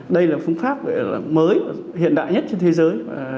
đây là phương pháp mới hiện đại nhất trên thế giới